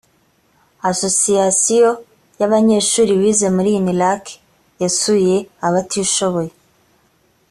asosiyasiyo ya banyeshuri bize muri unilak yasuye abatishoboye